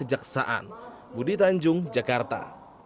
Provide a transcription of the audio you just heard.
kejaksaan budi tanjung jakarta